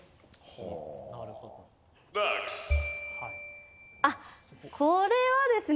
・ほぉ・・なるほど・あっこれはですね。